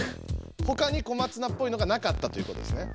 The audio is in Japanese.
ほかに小松菜っぽいのがなかったということですね。